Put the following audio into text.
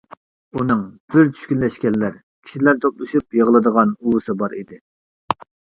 ئۇنىڭ بىر چۈشكۈنلەشكەنلەر كىشىلەر توپلىشىپ يىغىلىدىغان ئۇۋىسى بار ئىدى.